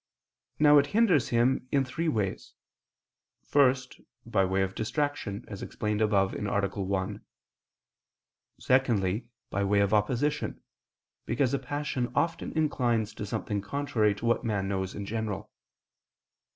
Now it hinders him in three ways. First, by way of distraction, as explained above (A. 1). Secondly, by way of opposition, because a passion often inclines to something contrary to what man knows in general.